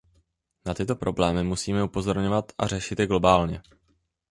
Na tyto problémy musíme upozorňovat a řešit je globálně.